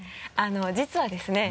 実はですね